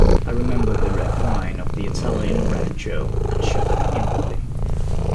I remembered the red wine of the Italian rancho, and shuddered inwardly.